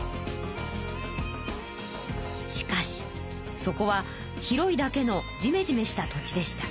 しかしそこは広いだけのじめじめした土地でした。